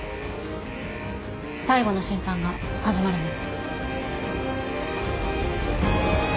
最後の審判が始まるの。